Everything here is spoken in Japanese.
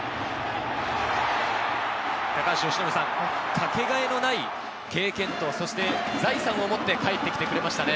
かけがえのない経験と、そして財産を持って帰ってきてくれましたね。